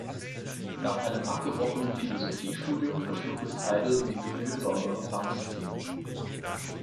Nach einem abgebrochenen Philosophiestudium verschlug es Idol in die frühe Londoner Punkszene.